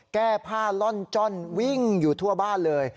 แก้ผ้าล่อนจ้อนวิ่งอยู่ทั่วบ้านเลย